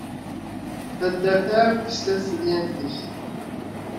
Taddart akk tesla s tedyant-is.